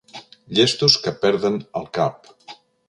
Llestos que perden el cap.